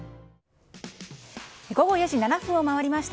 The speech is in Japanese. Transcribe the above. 午後４時７分を回りました。